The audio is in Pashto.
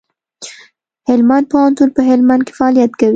هلمند پوهنتون په هلمند کي فعالیت کوي.